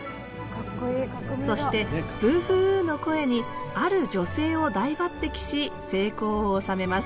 そして「ブーフーウー」の声にある女性を大抜擢し成功を収めます。